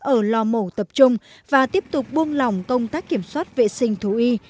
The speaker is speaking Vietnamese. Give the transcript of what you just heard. ở lò mổ tập trung và tiếp tục buông lỏng công tác kiểm soát vệ sinh thú y